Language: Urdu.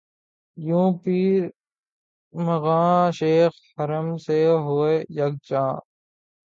یوں پیر مغاں شیخ حرم سے ہوئے یک جاں